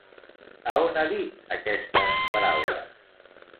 A on ha dit aquestes paraules?